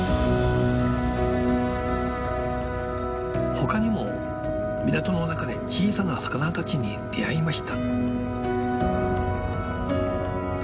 他にも港の中で小さな魚たちに出会いました。